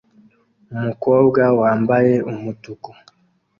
Umukobwa wambaye umutuku